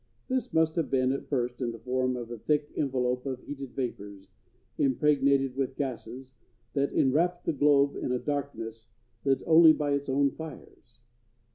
This must have been at first in the form of a thick envelop of heated vapors, impregnated with gases, that inwrapped the globe in a darkness lit only by its own fires.